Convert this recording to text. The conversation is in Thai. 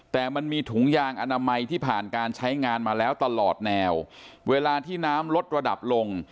แต่มันมีถุงยางอนามัยที่ผ่านการใช้งานมาแล้วตลอดแนวเวลาที่น้ำลดระดับลง